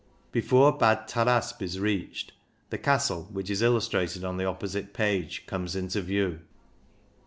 Before Bad Tarasp is reached, the castle, which is illus trated on the opposite page comes into view.